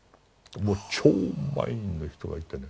もう超満員の人がいてね。